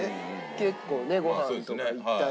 結構ねごはんとか行ったり。